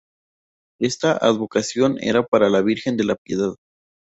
Esta advocación era la de la Virgen de la Piedad.